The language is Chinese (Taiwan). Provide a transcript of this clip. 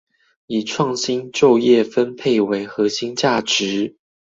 以創新、就業、分配為核心價值